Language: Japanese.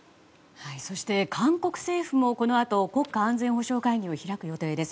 韓国政府もこのあと国家安全保障会議を開く予定。